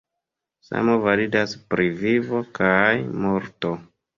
Samo validas pri vivo kaj morto.